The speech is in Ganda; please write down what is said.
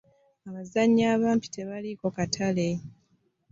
Abazannyi abampi tebaliko katale.